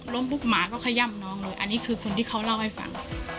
ปุ๊บหมาก็ขย่ำน้องเลยอันนี้คือคนที่เขาเล่าให้ฟัง